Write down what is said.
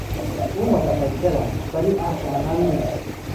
او متفکر است ولی اهل عمل نیست.